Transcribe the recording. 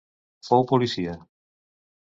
Fou policia.